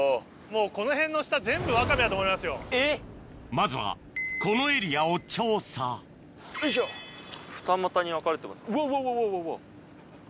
まずはこのエリアを調査よいしょ二股に分かれてます。